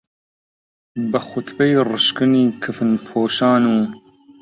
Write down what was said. بە خوتبەی ڕشکنی کفنپۆشان و